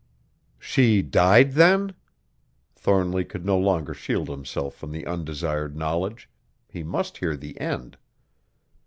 "She died then?" Thornly could no longer shield himself from the undesired knowledge; he must hear the end.